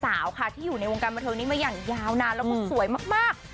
สาวค่ะที่อยู่ในวงการบันเทิงนี้มาอย่างยาวนานแล้วก็สวยมาก